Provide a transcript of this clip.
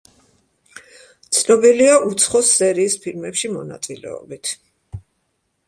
ცნობილია უცხოს სერიის ფილმებში მონაწილეობით.